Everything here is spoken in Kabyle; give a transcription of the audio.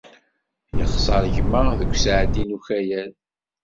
Yexṣeṛ gma deg usɛeddi n ukayad.